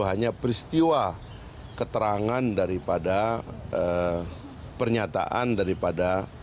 hanya peristiwa keterangan daripada pernyataan daripada